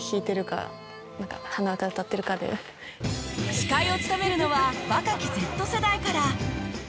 司会を務めるのは若き Ｚ 世代から